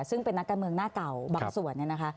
ซึ่งเป็นนักการเมืองหน้าเก่าบางส่วน